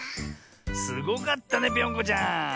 すごかったねぴょんこちゃん。